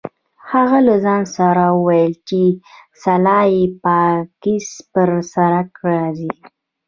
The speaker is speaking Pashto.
هغه له ځان سره وویل چې سلای فاکس پر سړک راځي